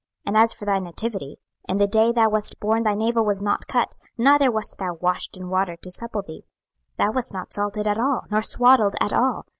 26:016:004 And as for thy nativity, in the day thou wast born thy navel was not cut, neither wast thou washed in water to supple thee; thou wast not salted at all, nor swaddled at all.